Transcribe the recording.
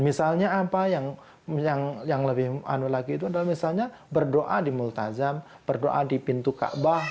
misalnya apa yang yang yang lebih anu lagi itu adalah misalnya berdoa di multajam berdoa di pintu ka'bah